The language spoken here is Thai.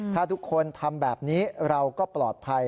ถ้าทุกคนทำแบบนี้เราก็ปลอดภัย